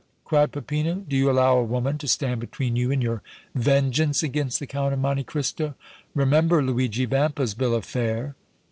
cried Peppino. "Do you allow a woman to stand between you and your vengeance against the Count of Monte Cristo? Remember Luigi Vampa's bill of fare!"